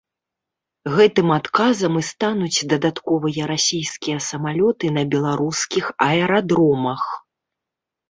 Гэтым адказам і стануць дадатковыя расійскія самалёты на беларускіх аэрадромах.